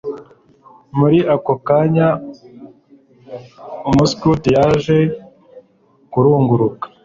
Muri ako kanya umuskuti yaje kuguruka